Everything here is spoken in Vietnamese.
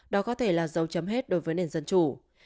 đó có thể là dấu chấm hết đối với nền dân chủ